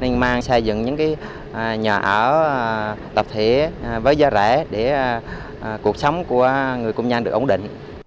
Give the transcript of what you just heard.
nên mang xây dựng những nhà ở tập thể với giá rẻ để cuộc sống của người công nhân được ổn định